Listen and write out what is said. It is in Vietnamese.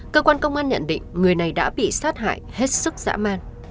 cơ quan công an nhận định người này đã bị sát hại hết sức dã man